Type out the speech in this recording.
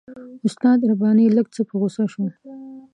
استاد رباني لږ څه په غوسه شو.